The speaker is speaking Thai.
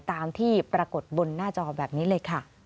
ตามที่ปรากฏบนหน้าจอแบบนี้เลยค่ะ